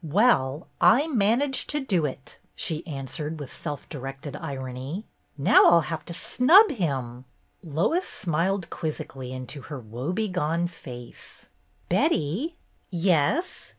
"Well, I managed to do it!" she answered 21 8 BETTY BAIRD^S GOLDEN YEAR with self directed irony. "Now I 'll have to snub him." Lois smiled quizzically into her woe begone face. "Betty?" "Yes?